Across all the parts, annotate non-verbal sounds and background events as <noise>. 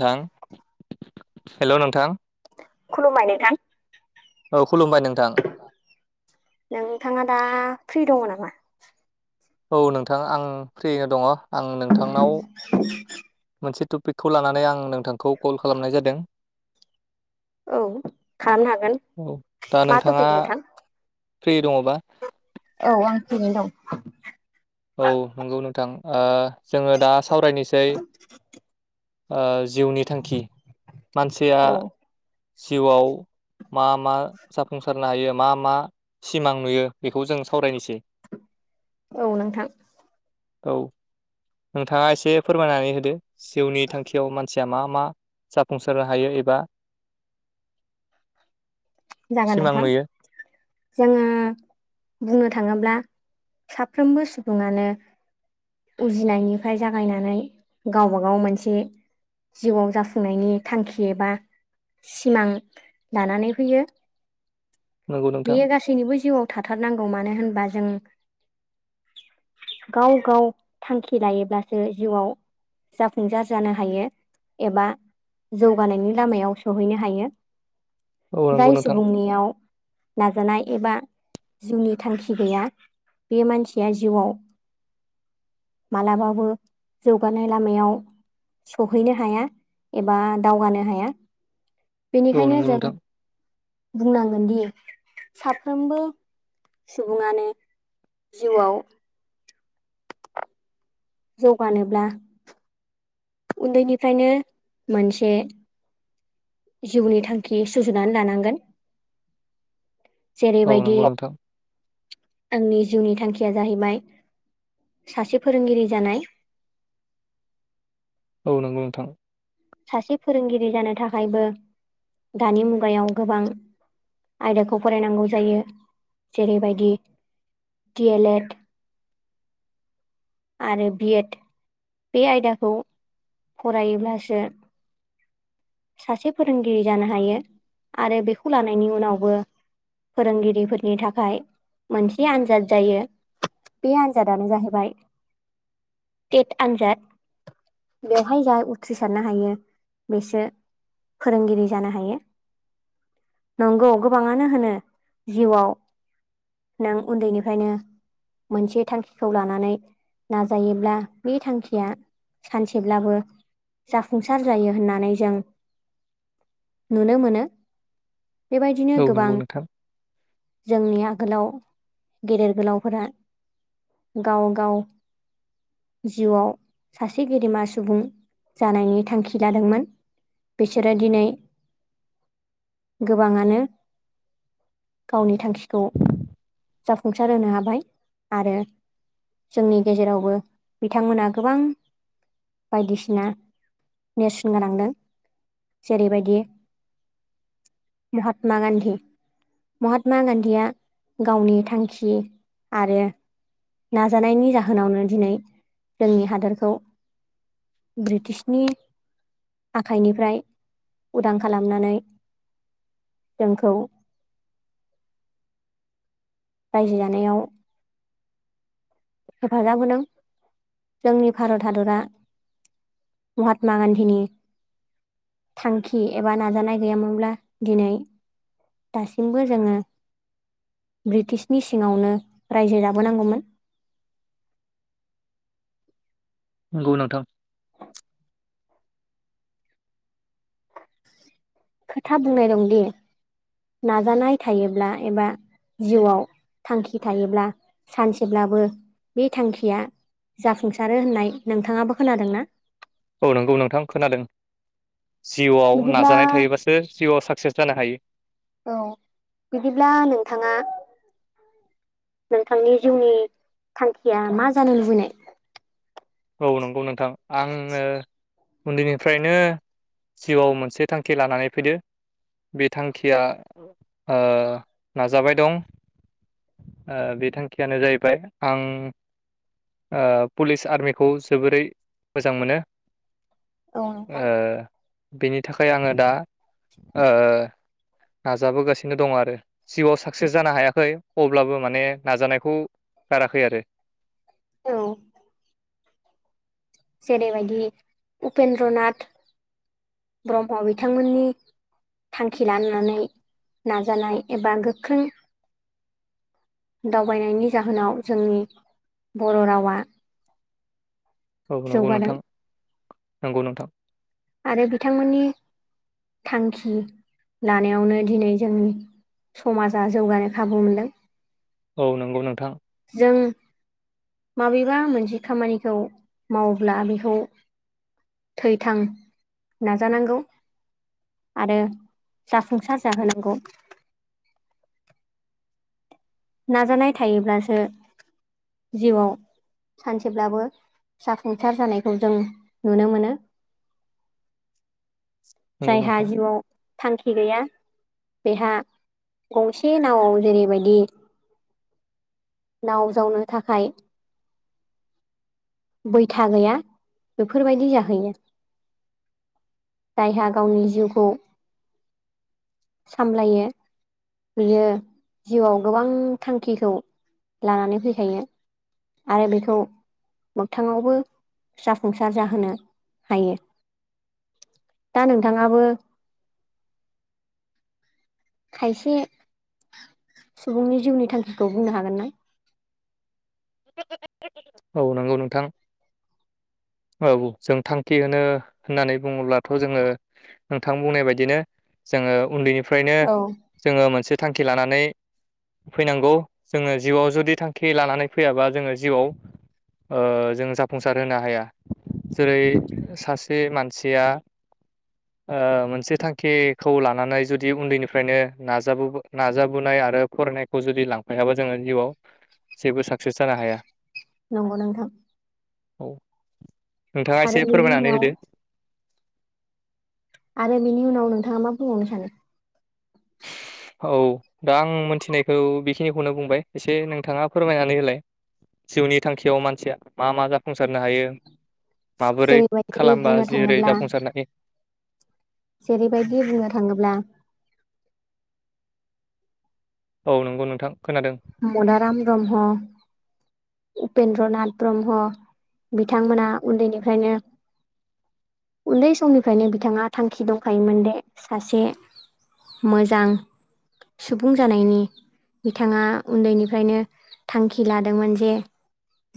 नोंथां हेल' नोंथां। खुलुमबाय नोंथां। औ खुलुमबाय नोंथां नोंथाङा दा फ्रि दङ नामा? औ नोंथां आं फ्रिनो दङ आं नोंथांनाव मोनसे ट पिकखौ लानानै आं नोंथांखौ कल खालामनाय जादों। औ खालामनो हागोन औ दा मा नोंथाङा टपिक नोंथां फ्रि दङबा? औ नोंथां <unintelligible> औ नंगौ नोंथां ओ जोङो दा सावरायनोसै ओ जिउनि थांखि मानसिया औ जिउआव मा मा जाफुंसारनो हायो मा मा सिमां नुयो बेखौ जों सावरायनोसै <inaudible> औ नोंथां। औ नोंथाङा एसे फोरमायनानै होदो जिउनि थांखियाव मानसिया मा मा जाफुंसारनो हायो एबा जागोन सिमां नोंथां नुयो जोङो बुंनो था ङोब्ला साफ्रोबो सुबुङानो उजिनायनिफ्राय जागायनानै गावबागाव मोनसे जिउआव जाफुंनायनि थांखि एबा सिमां लानानै फैयो। नंगौ नोंथां बेयो गासैनिबो जिउआव थाथारनांगौ मानो होनबा जों गाव गाव थांखि लायोब्लासो जिउआव जाफुंसार जानो हायो एबा जौगानायनि लामायाव सहैनो हायो। औ नंगौ नोंथां। जोंनियाव नाजानाय एबा जिउनि थांखि गैया बे मानसिया जिउआव मालाबाबो जौगानाय लामायाव सहैनो हाया एबा दावगानो हाया। औ बेनिखायनो नंगौ जों नोंथां बुंनांगोनदि साफ्रोमबो सुबुङानो जिउआव जौगानोब्ला उन्दैनिफ्रायनो मोनसे जिउनि थांखि सुजुनानै लानांगोन औ जेरैबायदि नंगौ नोंथां आंनि जिउनि थांखिया जाहैबाय सासे फोरोंगिरि जानाय औ नंगौ नोंथां सासे फोरोंगिरि जानो थाखायबो दानि मुगायाव गोबां आयदाखौ फरायनांगौ जायो जेरैबायदि डि ए लेड आरो बिएड बे आयदाखौ फरायोब्लासो सासे फोरोंगिरि जानो हायो आरो बेखौ लानायनि उनावबो फोरोंगिरिफोरनि थाखाय मोनसे आनजाद जायो बे आनजादानो जाहैबाय टेट आनजाद बेवहाय जाय उथ्रिसारनो हायो बेसो फोरोंगिरि जानो हायो नंगौ गोबाङानो होनो जिउआव नों उन्दैनिफ्रायनो मोनसे थांखिखौ लानानै नाजायोब्ला बे थांखिया सानसेब्लाबो जाफुंसार जायो होननानै जों नुनो मोनो बेबायदिनो औ गोबां नंगौ नोंथां जोंनि आगोलाव गेदेर गोलावफोरा गाव गाव जिउआव सासे गेदेमा सुबुं जानायनि थांखि लादोंमोन बिसोरो दिनै गोबाङानो गावनि थांखिखौ जाफुंसार होनो हाबाय आरो जोंनि गेजेरावबो बिथांमोना गोबां बायदिसिना नेरसोन गोलांदों जेरैबायदि महात्मा गान्धी महात्मा गान्धीया गावनि थांखि आरो नाजानायनि जाहोनावनो दिनै जोंनि हादोरखौ ब्रिटिशनि आखाइनिफ्राय उदां खालामनानै जोंखौ <inaudible> रायजो जानायाव हेफाजाब होदों जोंनि भारत हादरा महात्मा गान्धीनि थांखि एबा नाजानाय गैयामोनब्ला दिनै दासिमबो जोङो ब्रिटिशनि सिङावनो रायजो जाबोनांगौमोन नंगौ नोंथां <inaudible> खोथा बुंनाय दंदि नाजानाय थायोब्ला एबा जिउआव थांखि थायोब्ला सानसेब्लाबो बे थांखिया जाफुंसार होननाय नोंथाङाबो खोनादों ना औ नंगौ नोंथां खोनादों जिउआव बिदिब्ला नाजानाय थायोबासो जिउआव साक्सेस जानो हायो औ बिदिब्ला नोंथाङा नोंथांनि जिउनि थांखिया मा जानो लुबैनाय औ नंगौ नोंथां आंनो उन्दैनिफ्रायनो जिउआव मोनसे थांखि लानानै फैदो बे थांखिया नाजाबाय दं ओ बे थांखियानो जाहैबाय आं ओ पुलिस आर्मि खौ जोबोरै मोजां मोनो औ नोंथां ओ बेनि थाखाय आङो दा ओ नाजाबोगासिनो दं आरो जिउआव साक्सेस जानो हायाखै अब्लाबो माने नाजानायखौ गाराखै आरो औ जेरैबायदि उपेन्द्र नाथ ब्रह्म बिथांमोननि थांखि लानानै नाजानाय एबा गोख्रों दावबायनायनि जाहोनाव जोंनि बर' रावा औ नंगौ जौगादों नोंथां नंगौ नोंथां आरो बिथांमोननि थांखि लानायावनो दिनै जोंनि समाजा जौगानो खाबु मोनदों औ नंगौ नोंथां जों माबेबा मोनसे खामानिखौ मावोब्ला बेखौ थै थां नाजानांगौ आरो जाफुंसार जाहोनांगौ <inaudible> नाजानाय थायोब्लासो जिउआव सानसेब्लाबो जाफुंसार जानायखौ जों नुनो मोनो <inaudible> नंगौ जायहा नोंथां जिउआव थांखि गैया बेहा गंसे नावाव जेरैबायदि नाव जावनो थाखाय बैथा गैया बेफोरबायदि जाहैयो जायहा गावनि जिउखौ सामलायो बियो जिउआव गोबां थांखिखौ लानानै फैखायो आरो बेखौ मोगथाङावबो जाफुंसार जाहोनो हायो दा नोंथाङाबो खायसे सुबुंनि जिउनि थांखिखौ बुंनो हागोनना? औ नंगौ नोंथां औ जों थांखि होनो होननानै बुङोब्लाथ जोङो नोंथां बुंनाय बायदिनो जोङो उन्दैनिफ्रायनो औ जोङो मोनसे थांखि लानानै फैनांगौ जोङो जिउआव जुदि थांखि लानानै फैयाबा जोङो जिउआव ओ जों जाफुंसार होनो हाया जेरै सासे मानसिया ओ मोनसे थांखिखौ लानानै जुदि उन्दैनिफ्रायनो नाजाब नाजाबोनाय आरो फरायनायखौ जुदि लांफायाबा जोङो जिउआव जेबो साक्सेस जानो हाया नंगौ नोंथां औ नोंथाङा आरो एसे बिनि फोरमायनानै उनाव होदो आरो बिनि उनाव नोंथाङा मा बुंबावनो सानो? औ दा आं मोनथिनायखौ बेखिनिखौनो बुंबाय एसे नोंथाङा फोरमायनानै होलाय जिउनि थांखियाव मानसिया मा मा जाफुंसारनो हायो माबोरै जेरैबायदि खालामबा बुंनो जेरै थाङोब्ला जाफुंसारनो हायो जेरैबायदि बुंनो थाङोब्ला औ नंगौ नोंथां खोनादों मदाराम ब्रह्म <inaudible> उपेन्द्र नाथ ब्रह्म बिथांमोना उन्दैनिफ्रायनो उन्दै समनिफ्रायनो बिथाङा थांखि दंखायोमोन दे सासे मोजां सुबुं जानायनि बिथाङा उन्दैनिफ्रायनो थांखि लादोंमोन जे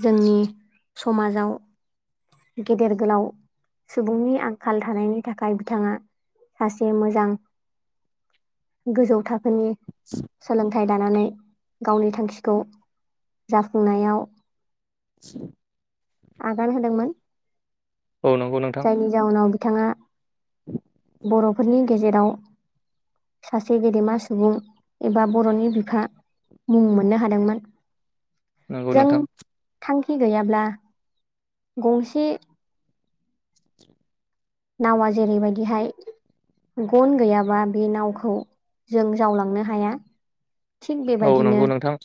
जोंनि समाजाव गेदेर गोलाव सुबुंनि आंखाल थानायनि थाखाय बिथाङा सासे मोजां गोजौ थाखो फोरनि सोलोंथाइ लानानै गावनि थांखिखौ जाफुंनायाव <unintelligible> आगान होदोंमोन। औ नंगौ नोंथां जायनि जाउनाव बिथाङा <inaudible> बर'फोरनि गेजेराव सासे गेदेमा सुबुं एबा बर'नि बिफा मुं मोननो हादोंमोन। नंगौ नोंथां जों थांखि गैयाब्ला गंसे नावा जेरैबायदिहाय गन गैयाबा बे नावखौ जों जावलांनो हाया। थिग औ बेबायदिनो नंगौ नोंथां।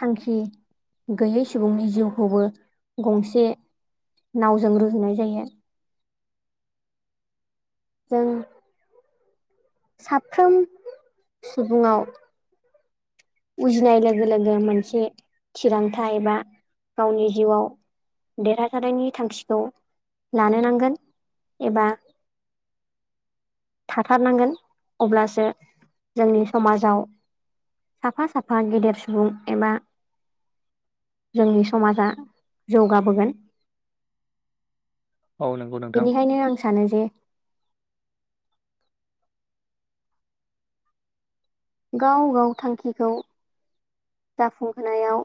थांखि गैयै सुबुंनि जिउखौबो गंसे नावजों रुजुनाय जायो। जों साफ्रोम सुबुङाव उजिनाय लोगो लोगो मोनसे थिरांथा एबा गावनि जिउआव देरहासानायनि थांखिखौ लानो नांगोन एबा <inaudible> थाथारनांगोन अब्लासो जोंनि समाजाव साफा साफा गेदेर सुबुं एबा जोंनि समाजा जौगाबोगोन। औ नंगौ नोंथां बेनिखायनो आं सानो जे गाव गाव थांखिखौ जाफुंहोनायाव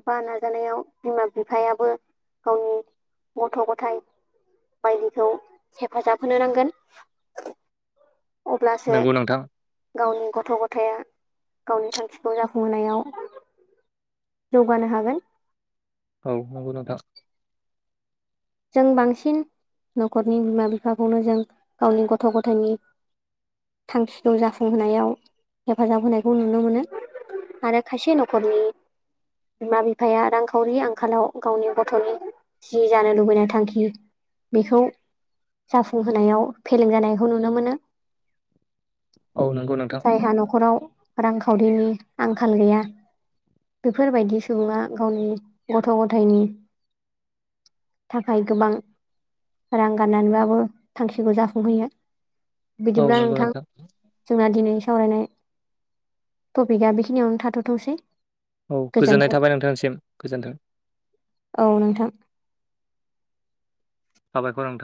एबा नाजानायाव बिमा बिफायाबो गावनि गथ' गथाइ बायदिखौ हेफाजाब होनो नांगोन। अब्लासो नंगौ नोंथां गावनि गथ' गथाया गावनि थांखिखौ जाफुंहोनायाव जौगानो हागोन। औ नोंगौ नोंथां जों बांसिन न'खरनि बिमा बिफाखौनो जों गावनि गथ' गथायनि थांखिखौ जाफुंहोनायाव हेफाजाब होनायखौ नुनो मोनो। आरो खायसे नखरनि बिमा बिफाया रांखावरि आंखालाव गावनि गथ'नि जि जानो लुबैनाय थांखि बेखौ जाफुंहोनायाव फेलें जानायखौ नुनो मोनो। औ नंगौ नोंथां जायहा न'खराव रांखावरिनि आंखाल गैया। बेफोरबायदि सुबुङा गावनि गथ' गथाइनि <inaudible> थाखाय गोबां रां गारनानैबाबो थांखिखौ जाफुंहैयो। औ बिदिब्ला नंगौ नोंथां जोंना दिनै सावरायनाय टपिकआ बेखिनियावनो थाथथोंसै औ गोजोननाय गोजोन्थों थाबाय नोंथांसिम गोजोन्थों औ नोंथां साबायखर नोंथा